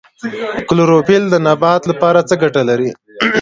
کلوروفیل د نبات لپاره څه ګټه لري